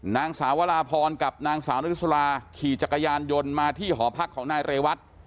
นางสาววราพรกับนางสาวนริสลาขี่จักรยานยนต์มาที่หอพักของนายเรวัต